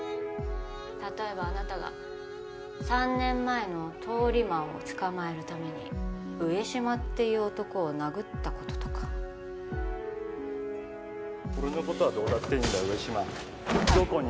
例えばあなたが３年前の通り魔を捕まえるために上島っていう男を殴ったこととか俺のことはどうだっていいんだ上島